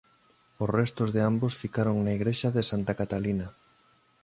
Os restos de ambos ficaron na igrexa de Santa Catalina.